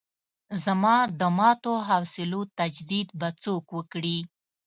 زما د ماتو حوصلو تجدید به څوک وکړي.